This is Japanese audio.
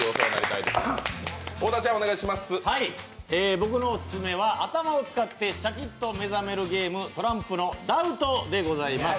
僕のオススメは頭を使ってシャキッと目覚めるゲーム、トランプの「ダウト」でございます。